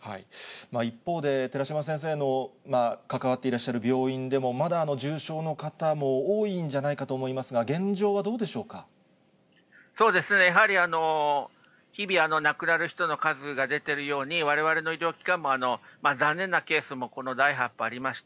一方で、寺嶋先生の関わっていらっしゃる病院でも、まだ重症の方も多いんじゃないかと思いますが、やはり日々、亡くなる人の数が出てるように、われわれの医療機関も残念なケースも、この第８波、ありました。